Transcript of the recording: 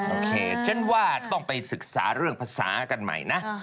โอเคฉันว่าต้องไปศึกษาเรื่องภาษากันใหม่นะ